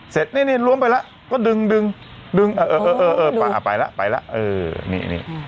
เสร็จนี่นี่รวมไปแล้วก็ดึงดึงดึงเออเออเออเออเออไปแล้วไปแล้วเออนี่นี่